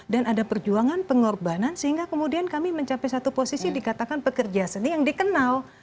dan ada perjuangan pengorbanan sehingga kemudian kami mencapai satu posisi dikatakan pekerja seni yang dikenal